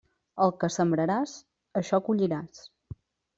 El que sembraràs, això colliràs.